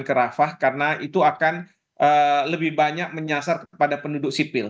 tidak melakukan serangan ke rafah karena itu akan lebih banyak menyasar kepada penduduk sipil